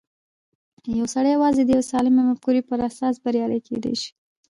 يو سړی يوازې د يوې سالمې مفکورې پر اساس بريالی کېدای شي.